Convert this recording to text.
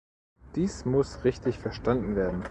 Dies muss richtig verstanden werden.